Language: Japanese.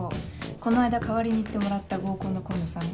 この間代わりに行ってもらった合コンの紺野さん